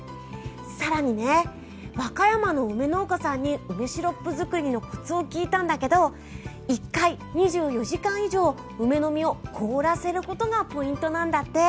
更に和歌山の梅農家さんに梅シロップ作りのコツを聞いたんだけど１回２４時間以上梅の実を凍らせることがポイントなんだって。